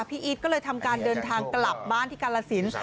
อีทก็เลยทำการเดินทางกลับบ้านที่กาลสิน